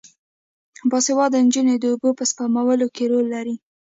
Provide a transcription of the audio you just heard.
باسواده نجونې د اوبو په سپمولو کې رول لري.